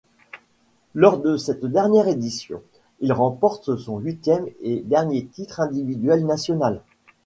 Lors de cette dernière édition, il remporte son huitième et dernier titre individuel national.